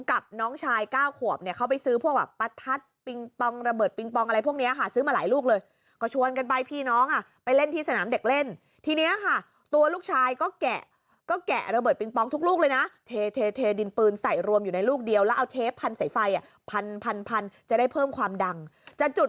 กับน้องชายเก้าขวบเนี่ยเขาไปซื้อพวกแบบประทัดปิงปองระเบิดปิงปองอะไรพวกเนี้ยค่ะซื้อมาหลายลูกเลยก็ชวนกันไปพี่น้องอ่ะไปเล่นที่สนามเด็กเล่นทีนี้ค่ะตัวลูกชายก็แกะก็แกะระเบิดปิงปองทุกลูกเลยนะเทเทดินปืนใส่รวมอยู่ในลูกเดียวแล้วเอาเทปพันใส่ไฟอ่ะพันพันพันจะได้เพิ่มความดังจะจุด